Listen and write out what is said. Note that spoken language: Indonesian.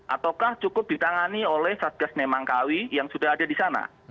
ataukah cukup ditangani oleh satgas nemangkawi yang sudah ada di sana